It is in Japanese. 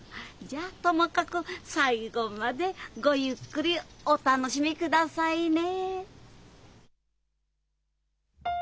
じゃともかく最後までごゆっくりお楽しみ下さいね。